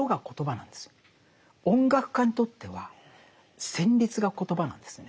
音楽家にとっては旋律がコトバなんですね。